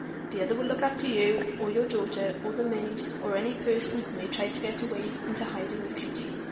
The other will look after you, or your daughter, or the maid, or any other person who may try to get away into hiding with Kitty.